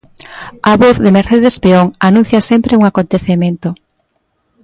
A voz de Mercedes Peón anuncia sempre un acontecemento.